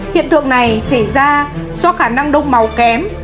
hiện tượng này xảy ra do khả năng đông màu kém